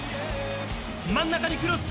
真ん中にクロス。